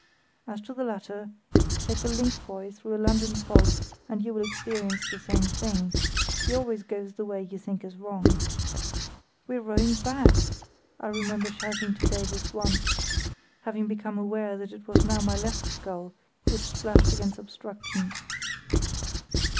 As to the latter, take a link boy through a London fog and you will experience the same thing: he always goes the way you think is wrong. "We're rowing back!" I remember shouting to Davies once, having become aware that it was now my left scull which splashed against obstructions.